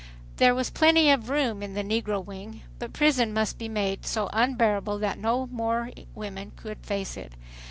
There was plenty of room in the negro wing. But prison must be made so unbearable that no more women would face it.